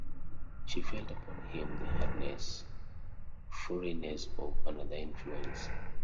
She felt upon him the hardness, the foreignness of another influence.